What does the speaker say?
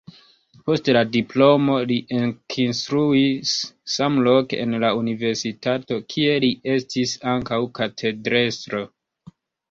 Post la diplomo li ekinstruis samloke en la universitato, kie li estis ankaŭ katedrestro.